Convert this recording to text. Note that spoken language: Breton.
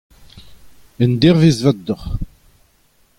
Endervezh vat deoc'h.